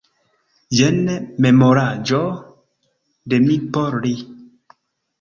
Jen memoraĵo de mi por li.